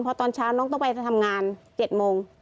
พอตอนเช้าน้องต้องไปทำงาน๗โมง